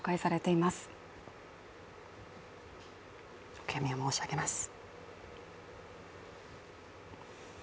お悔やみを申し上げます。